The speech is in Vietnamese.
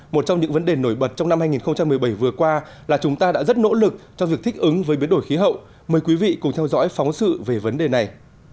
một trong những vấn đề nổi bật trong năm hai nghìn một mươi bảy vừa qua là chúng ta đã rất nỗ lực cho việc thích ứng với biến đổi khí hậu mời quý vị cùng theo dõi phóng sự về vấn đề này